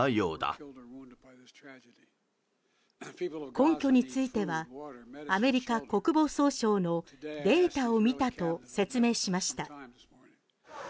根拠についてはアメリカ国防総省のデータを見たと説明しました。